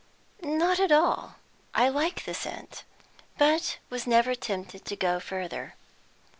"Not at all. I like the scent, but was never tempted to go further."